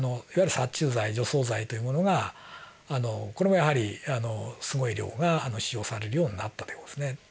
いわゆる殺虫剤除草剤というものがこれもやはりすごい量が使用されるようになったという事ですね。